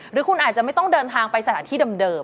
หรือคุณอาจจะไม่ต้องเดินทางไปสถานที่เดิม